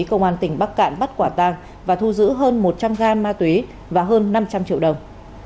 công an tỉnh bắc cạn bắt quả tang và thu giữ hơn một trăm linh gam ma túy và hơn năm trăm linh triệu đồng